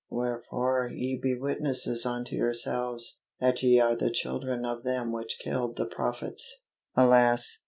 Wherefore ye be witnesses unto yourselves, that ye are the children of them which killed the prophets." Alas!